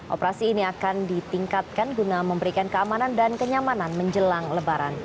operasi ini akan ditingkatkan guna memberikan keamanan dan kenyamanan menjelang lebaran